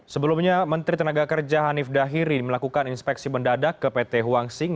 sebelumnya menteri tenaga kerja hanif dahiri melakukan inspeksi mendadak ke pt huang sing